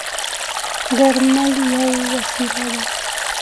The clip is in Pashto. درمل یوه وسیله ده.